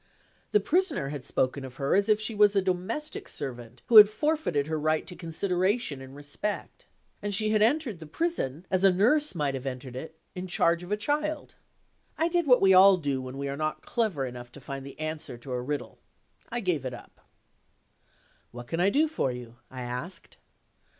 The Prisoner had spoken of her as if she was a domestic servant who had forfeited her right to consideration and respect. And she had entered the prison, as a nurse might have entered it, in charge of a child. I did what we all do when we are not clever enough to find the answer to a riddle I gave it up. "What can I do for you?" I asked.